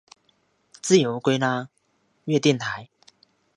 自由砂拉越电台。